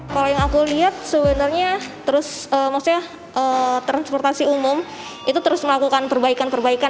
kalau yang aku lihat sebenarnya terus maksudnya transportasi umum itu terus melakukan perbaikan perbaikan